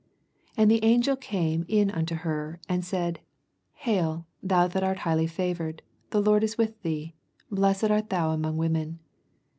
28 And the angel came in onto her, and said, Hail, thou thai art highly favored, the Lord it with thee : bles sed art thou among women.